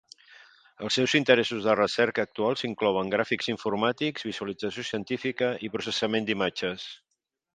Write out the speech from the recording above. Els seus interessos de recerca actuals inclouen gràfics informàtics, visualització científica i processament d'imatges.